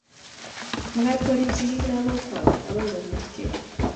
mekat koriib sigiik lagok kwak agoi komuch gei